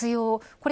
これ